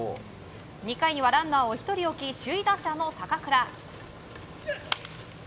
２回にはランナーを１人置き首位打者の坂倉。